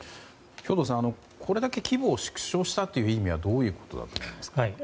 兵頭さん、これだけ規模を縮小したという意味はどういうことだと思いますか。